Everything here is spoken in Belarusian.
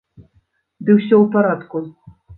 Ды ўсё ў парадку!